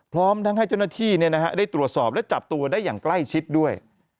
พร้อมทั้งให้เจ้าหน้าที่ได้ตรวจสอบและจับตัวได้อย่างใกล้ชิดด้วย